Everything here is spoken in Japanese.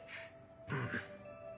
うん。